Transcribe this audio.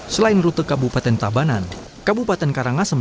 selain rute kabupaten tabanan kabupaten karangasem